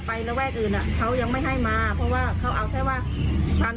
ระแวกอื่นอ่ะเขายังไม่ให้มาเพราะว่าเขาเอาแค่ว่าทาง